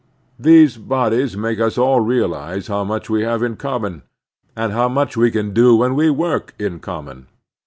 These bodies make us all realize how much we have in common, and how much we can do when we work in com mon.